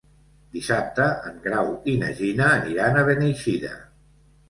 Dissabte en Grau i na Gina aniran a Beneixida.